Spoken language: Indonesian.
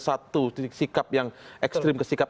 satu sikap yang ekstrim ke sikap